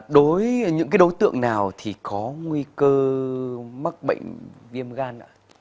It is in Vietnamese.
đối với những đối tượng nào thì có nguy cơ mắc bệnh viêm gan